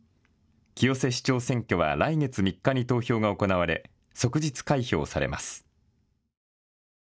清瀬市長選挙は来月３日に投票が行われ、即日開票されます。